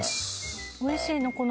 おいしいの。